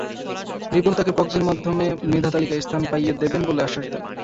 রিপন তাকে প্রক্সির মাধ্যমে মেধা তালিকায় স্থান পাইয়ে দেবেন বলে আশ্বাস দেন।